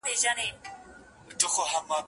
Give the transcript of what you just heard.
لا زر کلونه زرغونیږي ونه